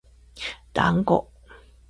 だんご